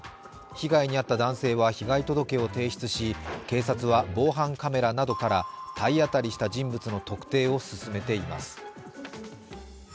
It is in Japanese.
被害に遭った男性は被害届を提出し警察は防犯カメラなどから体当たりした人物の特定を進めています。